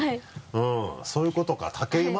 うんそういうことか竹馬？